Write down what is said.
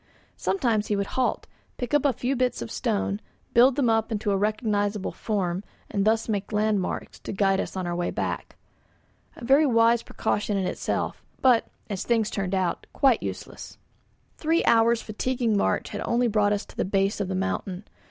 Sometimes he would halt, pick up a few bits of stone, build them up into a recognisable form, and thus made landmarks to guide us in our way back. A very wise precaution in itself, but, as things turned out, quite useless. Three hours' fatiguing march had only brought us to the base of the mountain.